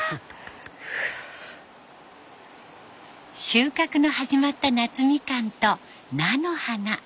収穫の始まった夏みかんと菜の花。